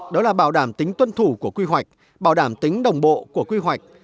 đó là bảo đảm tính tuân thủ của quy hoạch bảo đảm tính đồng bộ của quy hoạch